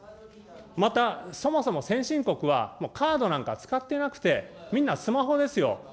またそもそも先進国は、カードなんか使ってなくて、みんなスマホですよ。